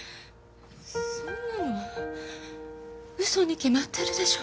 そんなのウソに決まってるでしょ